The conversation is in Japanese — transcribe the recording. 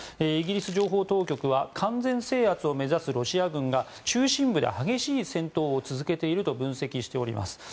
イギリス情報当局は完全制圧を目指すロシア軍が中心部で激しい戦闘を続けていると分析しています。